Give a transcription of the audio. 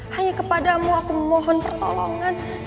hanya kepadamu aku memohon pertolongan